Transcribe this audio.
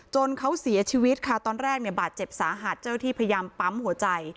เขาเสียชีวิตค่ะตอนแรกเนี่ยบาดเจ็บสาหัสเจ้าที่พยายามปั๊มหัวใจ